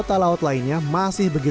pengelolaan alat ini memiliki alat berbahaya